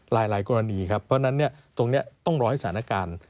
หลายกรณีครับเพราะฉะนั้นตรงนี้ต้องรอให้สถานการณ์